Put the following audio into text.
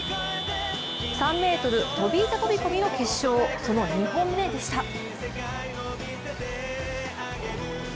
３ｍ飛板飛込の決勝、その２本目でした。